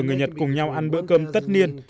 người nhật cùng nhau ăn bữa cơm tất niên